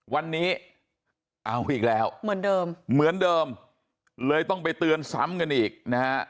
วันนี้เอาอีกแล้วเหมือนเดิมเลยต้องไปเตือนซ้ำกันอีกนะครับ